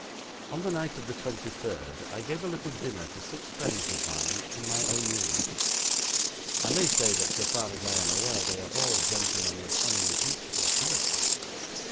'On the night of the twenty third, I gave a little dinner to six friends of mine in my own rooms. I may say that so far as I am aware they are all gentlemen of unimpeachable character.